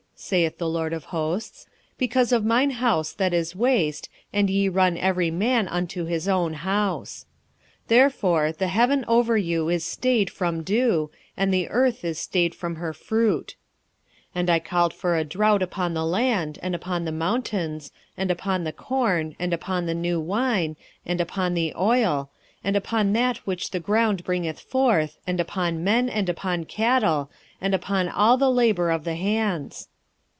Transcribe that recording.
saith the LORD of hosts. Because of mine house that is waste, and ye run every man unto his own house. 1:10 Therefore the heaven over you is stayed from dew, and the earth is stayed from her fruit. 1:11 And I called for a drought upon the land, and upon the mountains, and upon the corn, and upon the new wine, and upon the oil, and upon that which the ground bringeth forth, and upon men, and upon cattle, and upon all the labour of the hands.